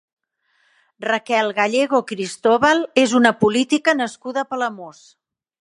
Raquel Gallego Cristóbal és una política nascuda a Palamós.